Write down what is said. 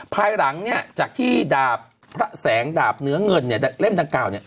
ภายหลังจากที่ดาบพระแสงดาบเหนือเงินเล่มดังเก่า